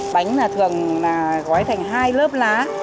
bánh là thường là gói thành hai lớp lá